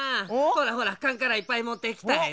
ほらほらかんからいっぱいもってきたよ。